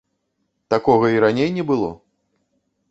Такога і раней не было.